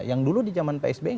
yang dulu di jaman psb